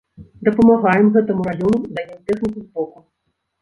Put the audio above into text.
Дапамагаем гэтаму раёну, даем тэхніку збоку.